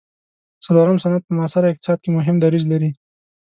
څلورم صنعت په معاصر اقتصاد کې مهم دریځ لري.